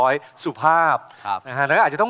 อย่างที่ฉัน